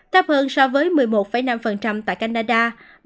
thấp hơn so với một mươi một năm tại canada